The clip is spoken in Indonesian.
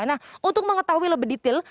nah untuk mengetahui lebih detail